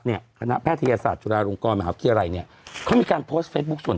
นี่นี่นี่นี่นี่นี่นี่นี่นี่นี่